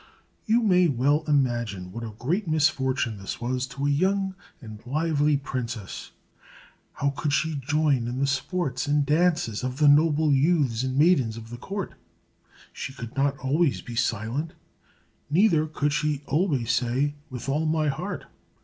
You may well imagine what a great misfortune this was to a young and lively princess. How could she join in the sports and dances of the noble youths and maidens of the court? She could not always be silent, neither could she always say, "With all my heart!"